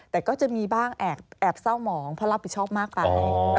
แต่ก็จะมีบ้างแอบเศร้าหมองเพราะรับผิดชอบมากไป